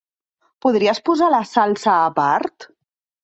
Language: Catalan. Podries posar la salsa apart?